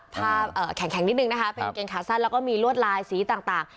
ผ้าเอ่อแข็งแข็งนิดหนึ่งนะคะเป็นกางเกงขาสั้นแล้วก็มีรวดลายสีต่างต่าง